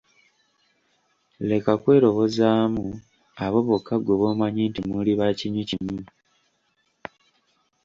Leka kwerobozaamu abo bokka ggwe bomanyi nti muli bakinywi kimu.